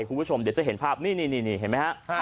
คุณผู้ชมเดี๋ยวจะเห็นภาพนี่เห็นไหมฮะ